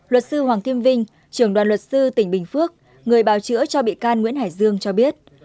luật sư hoàng kim vinh trưởng đoàn luật sư tỉnh bình phước người bào chữa cho bị can nguyễn hải dương cho biết